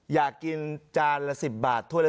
อยากกินจานถ้วย๑๐บาทเปล่า